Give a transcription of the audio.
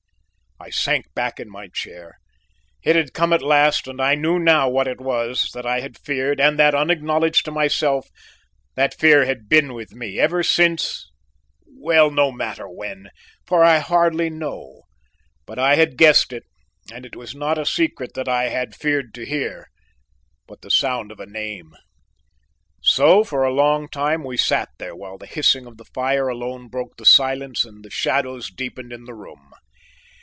I sank back in my chair; it had come at last and I knew now what it was that I had feared and that, unacknowledged to myself, that fear had been with me ever since, well, no matter when, for I hardly know, but I had guessed it, and it was not a secret that I had feared to hear, but the sound of a name. So for a long time we sat there while the hissing of the fire alone broke the silence and the shadows deepened in the room.